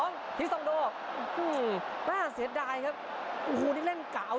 รีบไปดอนครับเอาละครับ